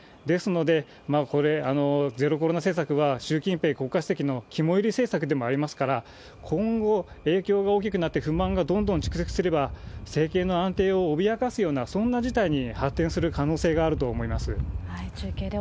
ですので、これ、ゼロコロナ政策は習近平国家主席の肝煎り政策でもありますから、今後、影響が大きくなって不満がどんどん蓄積すれば、政権の安定を脅かすような、そんな事態に発展する可能性があると思います。